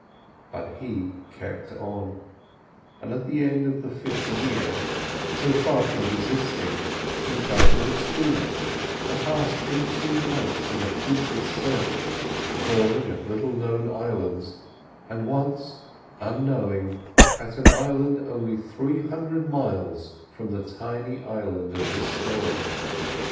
But he kept on; and at the end of the fifth year, so far from desisting, he chartered a schooner and passed eighteen months in a fruitless search, calling at little known islands, and once, unknowing, at an island only three hundred miles away from the tiny island of this story.